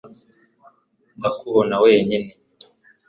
ndakubona wenyine